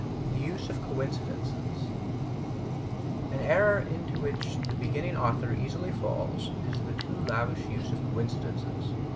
The Use of Coincidences An error into which the beginning author easily falls is the too lavish use of coincidences.